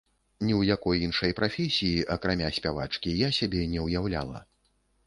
Ні ў якой іншай прафесіі, акрамя спявачкі, я сябе не ўяўляла.